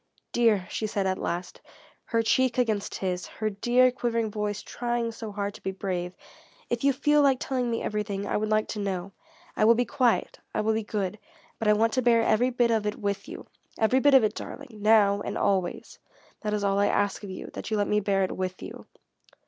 "Dear," she said at last, her cheek against his, her dear, quivering voice trying so hard to be brave, "if you feel like telling me everything, I would like to know. I will be quiet. I will be good. But I want to bear every bit of it with you. Every bit of it, darling now, and always. That is all I ask that you let me bear it with you."